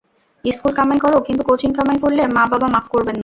School কামাই করো, কিন্তু কোচিং কামাই করলে মা-বাবা মাফ করবেন না।